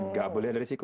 nggak boleh ada resiko